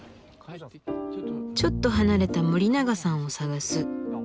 ちょっと離れた森永さんを捜す。